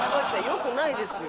よくないですよ。